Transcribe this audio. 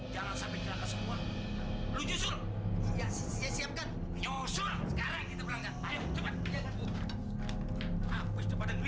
jangan sampai celaka semua